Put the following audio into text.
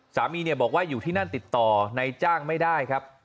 สามีบอกว่าอยู่ที่นั่นติดต่อนายจ้างไม่ได้ครับ